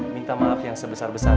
minta maaf yang sebesar besar